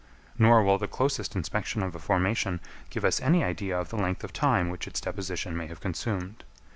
Nor will the closest inspection of a formation give us any idea of the length of time which its deposition may have consumed.